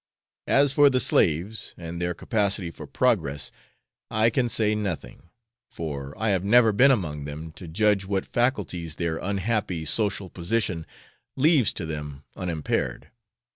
As for the slaves, and their capacity for progress, I can say nothing, for I have never been among them to judge what faculties their unhappy social position leaves to them unimpaired.